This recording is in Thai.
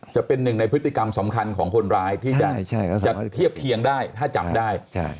จะเป็นหนึ่งในพฤติกรรมสำคัญของคนร้ายที่จะเทียบเคียงได้ถ้าจำได้